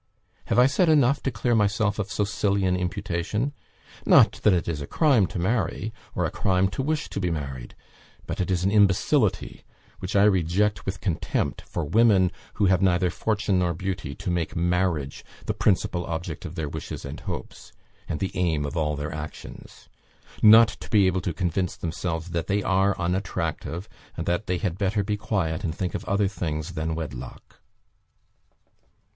Have I said enough to clear myself of so silly an imputation? Not that it is a crime to marry, or a crime to wish to be married; but it is an imbecility, which I reject with contempt, for women, who have neither fortune nor beauty, to make marriage the principal object of their wishes and hopes, and the aim of all their actions; not to be able to convince themselves that they are unattractive, and that they had better be quiet, and think of other things than wedlock."